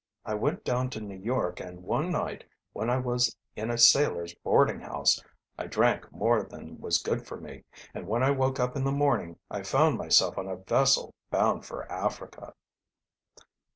I went down to New York and one night when I was in a sailors' boarding house I drank more than was good for me, and when I woke up in the morning I found myself on a vessel bound for Africa."